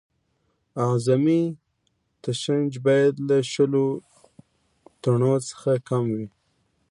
اعظمي تشنج باید له شلو ټنو څخه کم وي